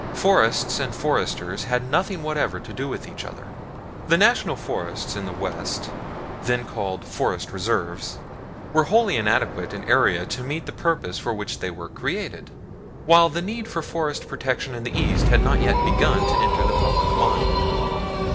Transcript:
Forests and foresters had nothing whatever to do with each other. The National Forests in the West (then called forest reserves) were wholly inadequate in area to meet the purposes for which they were created, while the need for forest protection in the East had not yet begun to enter the public mind.